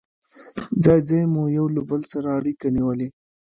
ځای ځای مو یو له بل سره اړيکې نیولې.